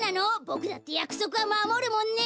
ボクだってやくそくはまもるもんね！